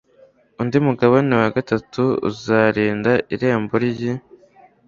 undi mugabane wa gatatu uzarinda irembo ry i